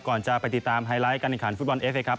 ก่อนจะไปติดตามไฮไลท์การแข่งขันฟุตบอลเอฟเลยครับ